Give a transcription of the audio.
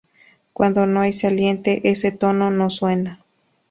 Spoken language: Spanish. Cuando no hay saliente, ese tono no suena.